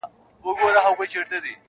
ماسومان له هغه ځایه وېرېږي تل,